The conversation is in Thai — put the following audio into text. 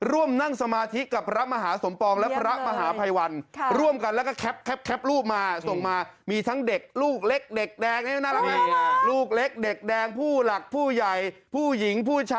ร่วมนั่งสมาธิกับพระมหาสมภอง